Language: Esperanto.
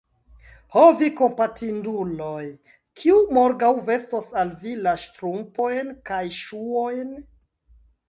Ho, vi kompatinduloj! kiu morgaŭ vestos al vi la ŝtrumpojn kaj ŝuojn?